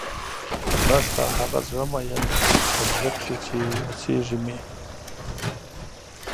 نيشته هغه زړۀ ميئن پۀ زړۀ کښې چې اوسېږي مې